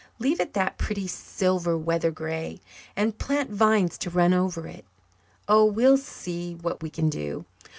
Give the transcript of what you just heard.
Leave it that pretty silver weather grey and plant vines to run over it. Oh, we'll see what we can do.